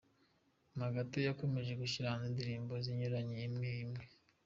Nyuma gato yakomeje gushyira hanze indirimbo zinyuranye imwe, imwe.